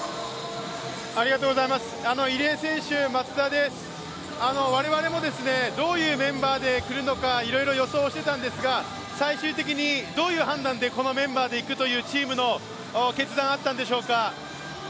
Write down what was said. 入江選手、我々もどういうメンバーでくるのかいろいろ予想していたんですが最終的にどういう判断でこのメンバーでいくというチームの決断があったんでしょうか？